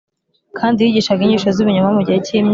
kandi yigishaga inyigisho z ibinyoma Mu gihe cy imyaka